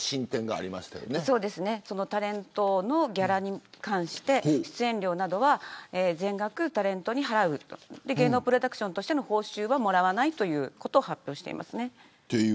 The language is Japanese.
タレントのギャラに関して出演料などは全額タレントに払う芸能プロダクションとしての報酬は、もらわないということを発表しています。